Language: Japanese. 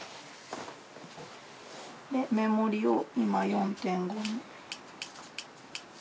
目盛りを今４．５に。